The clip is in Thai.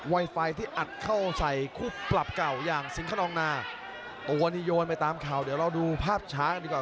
ไวไฟที่อัดเข้าใส่คู่ปรับเก่าอย่างสิงค์กันอ่อนหล่าง